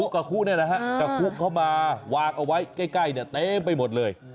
กะขู้กะขู้เขามาวางเอาไว้ใกล้เต็มไปหมดเลย